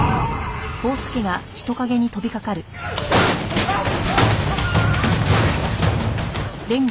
うわっ！